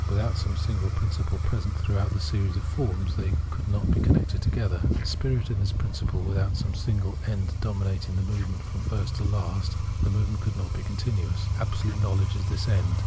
Without some single principle present throughout the series of forms, they could not be connected together ; Spirit is this principle : without some single end dominating the movement from first to last the movement could not be continuous ;" Absolute Knowledge " is this end.